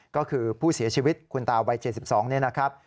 ก็คือผู้เสียชีวิตคุณตาวัย๗๒นี่นะครับ